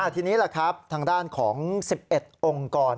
ทีนี้แหละครับทางด้านของ๑๑องค์กร